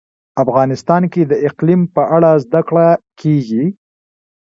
افغانستان کې د اقلیم په اړه زده کړه کېږي.